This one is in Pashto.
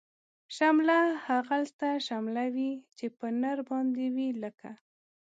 شمله هغلته شمله وی، چی په نر باندی وی لکه